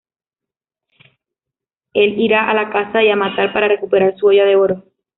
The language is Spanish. Él irá a la caza y a matar para recuperar su olla de oro.